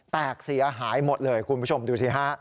แตกเสียหายหมดเลยคุณผู้ชมดูสิฮะ